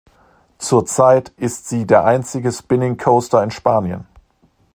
Zurzeit ist sie der einzige Spinning Coaster in Spanien.